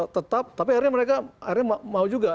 tetap tapi akhirnya mereka akhirnya mau juga